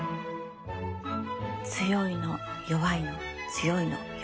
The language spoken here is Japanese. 強いの弱いの強いの弱いの。